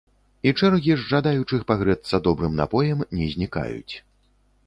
І чэргі з жадаючых пагрэцца добрым напоем не знікаюць.